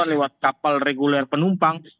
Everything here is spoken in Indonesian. lewat kapal reguler penumpang